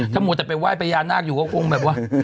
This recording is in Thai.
ถ้ามัวแต่ไปไหว้พญานาคอยู่ก็คงแบบว่า